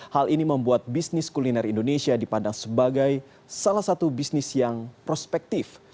hal ini membuat bisnis kuliner indonesia dipandang sebagai salah satu bisnis yang prospektif